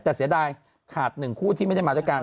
แต่เสียดายขาดหนึ่งคู่ที่ไม่ได้มาด้วยกัน